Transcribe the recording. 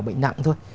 bệnh nặng thôi